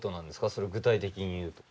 それ具体的に言うと。